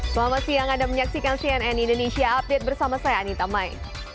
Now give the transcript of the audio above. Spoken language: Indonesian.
selamat siang anda menyaksikan cnn indonesia update bersama saya anita mai